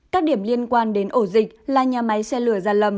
các điểm liên quan đến ổ dịch là nhà máy xe lửa gia lâm